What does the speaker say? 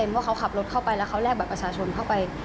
ว่าเขาขับรถเข้าไปแล้วเขาแลกบัตรประชาชนเข้าไป